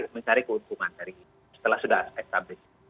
mencari keuntungan dari setelah sudah established